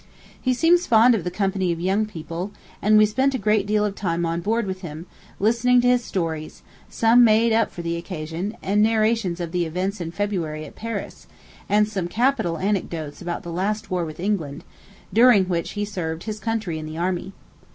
He seems fond of the company of young people, and we spent a great deal of time on board with him, listening to his stories, some made up for the occasion, and narrations of the events in February at Paris, and some capital anecdotes about the last war with England, during which he served his country in the army.